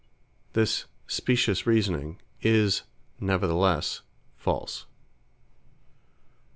This specious reasoning is nevertheless false.